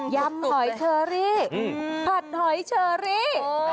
ำหอยเชอรี่ผัดหอยเชอรี่